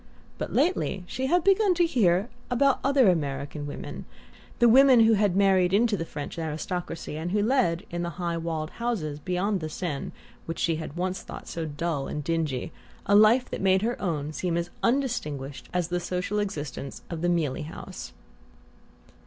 But lately she had begun to hear about other American women, the women who had married into the French aristocracy, and who led, in the high walled houses beyond the Seine which she had once thought so dull and dingy, a life that made her own seem as undistinguished as the social existence of the Mealey House.